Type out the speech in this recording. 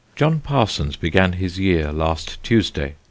John Parsons began his year last Tuesday.